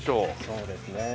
そうですね。